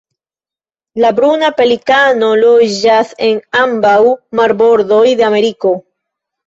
La Bruna pelikano loĝas en ambaŭ marbordoj de Ameriko.